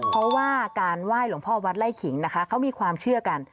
เพราะว่าการไหว้หลวงพ่อวัดไล่ขิงนะคะเขามีความเชื่อกัน